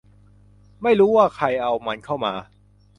ไม่รู้ว่าใครเอามันเข้ามา